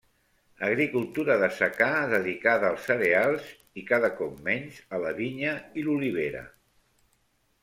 Agricultura de secà dedicada als cereals i, cada cop menys, a la vinya i l'olivera.